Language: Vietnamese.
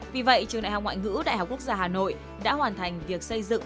vì vậy trường đại học ngoại ngữ đại học quốc gia hà nội đã hoàn thành việc xây dựng